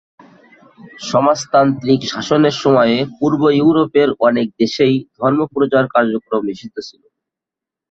সমাজতান্ত্রিক শাসনের সময়ে পূর্ব ইউরোপের অনেক দেশেই ধর্মপ্রচার কার্যক্রম নিষিদ্ধ ছিল।